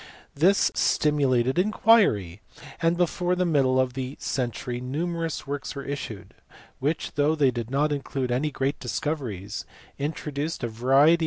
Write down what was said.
This stimulated inquiry, and before the middle of the century numerous works were issued which, though they did not include any great discoveries, introduced a variety * See Diirer ah Mathematiker by H.